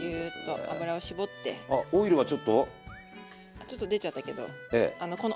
あちょっと出ちゃったけどあの